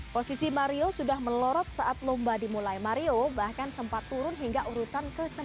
posisi mario sudah melorot saat lomba dimulai mario bahkan sempat turun hingga urutan ke sebelas